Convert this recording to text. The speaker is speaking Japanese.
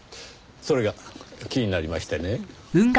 それが気になりましてね。